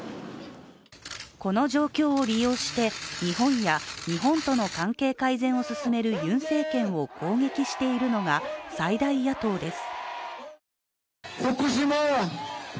この状況を利用して、日本や日本との関係改善を進めるユン政権を攻撃しているのが、最大野党です。